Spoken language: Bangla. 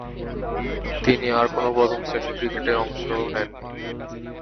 তিনি আর কোন প্রথম-শ্রেণীর ক্রিকেটে অংশ নেননি।